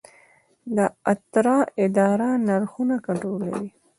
د اترا اداره نرخونه کنټرولوي؟